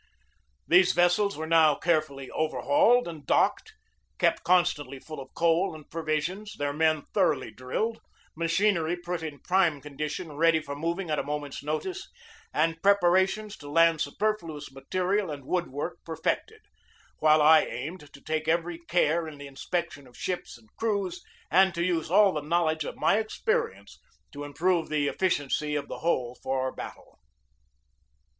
These vessels were now carefully overhauled and docked, kept constantly full of coal and provisions, their men thoroughly drilled, machinery put in prime condition ready for moving at a moment's notice, and preparations to land superfluous material and wood work perfected, while I aimed to take every care in the inspection of ships and crews and to use all the knowledge of my experience to improve the effi ciency of the whole for battle.